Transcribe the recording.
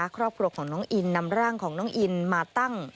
ครอบครัวของน้องอินนำร่างของน้องอินมาตั้ง